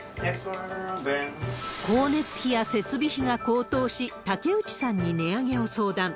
光熱費や設備費が高騰し、竹内さんに値上げを相談。